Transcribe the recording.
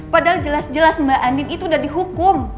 padahal jelas jelas mbak andin itu udah dihukum